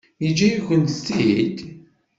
Yeǧǧa-yakent-t-id?